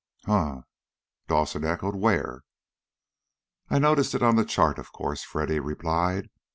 "Huh?" Dawson echoed. "Where?" "I noticed it on the chart, of course," Freddy replied.